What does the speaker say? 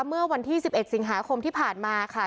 เมื่อวันที่๑๑สิงหาคมที่ผ่านมาค่ะ